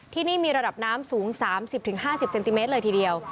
ที่นี่มีระดับน้ำสูง๓๐๕๐เซนติเมตรเลยทีเดียว